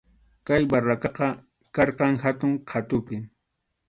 Kay barracaqa karqan hatun qhatupi.